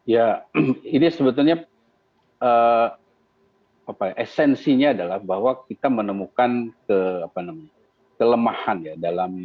ya ini sebetulnya esensinya adalah bahwa kita menemukan kelemahan ya dalam